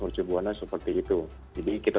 percebuana seperti itu jadi kita